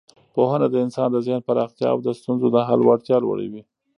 پوهنه د انسان د ذهن پراختیا او د ستونزو د حل وړتیا لوړوي.